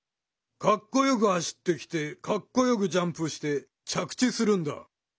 かっこよく走ってきてかっこよくジャンプして着地するんだ。